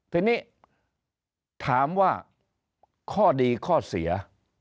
ทีนี้ถามว่าข้อดีข้อเสีย